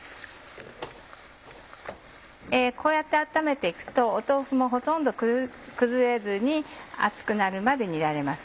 こうやって温めて行くと豆腐もほとんど崩れずに熱くなるまで煮られます。